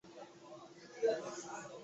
东海大学卒业。